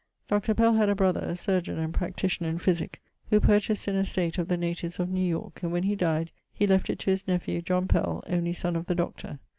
Dr. Pell had a brother a chirurgian and practitioner in physick, who purchased an estate of the natives of New York and when he died he left it to his nephew John Pell, only son of the Doctor.